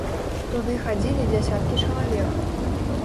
Туды хадзілі дзясяткі чалавек.